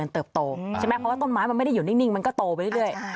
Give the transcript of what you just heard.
ต้นไม้เหรอ